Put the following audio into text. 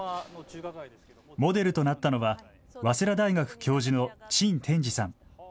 モデルとなったのは早稲田大学教授の陳天爾さん。